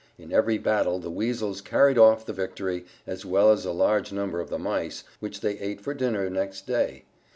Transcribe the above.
In every battle the Weasels carried off the victory, as well as a large number of the Mice, which they ate for dinner next day.